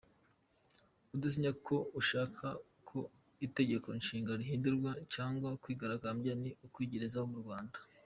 Kudasinya ko ushaka ko itegeko nshinga rihindurwa cyangwa kwigaragambya ni ukwigerezaho mu Rwanda